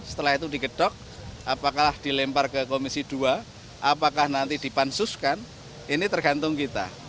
setelah itu digedok apakah dilempar ke komisi dua apakah nanti dipansuskan ini tergantung kita